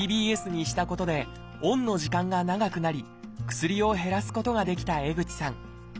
ＤＢＳにしたことでオンの時間が長くなり薬を減らすことができた江口さん。